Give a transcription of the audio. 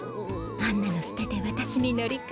あんなの捨てて私に乗り換え。